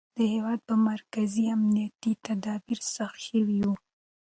د هېواد په مرکز کې امنیتي تدابیر سخت شوي وو.